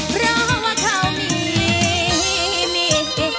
เพราะเขามี